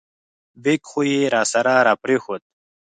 بیک خو یې راسره را پرېښود.